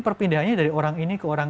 perpindahannya dari orang ini ke orang